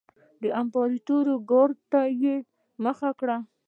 د امپراتورۍ ګارډ ته یې مخه کړه